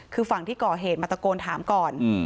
คือฝั่งที่ก่อเหตุมาตะโกนถามก่อน